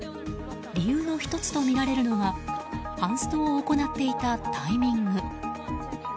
理由の１つとみられるのがハンストを行っていたタイミング。